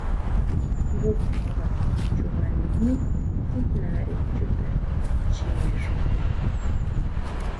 Jngu kjua chubanijmí tíjnare chuta chjine xojon.